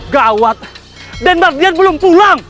gawat den mardian belum pulang